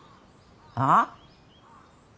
ああ？